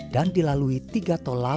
rupiah rupiah rupiah